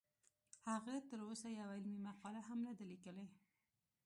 هغه تر اوسه یوه علمي مقاله هم نه ده لیکلې